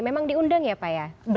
memang diundang ya pak ya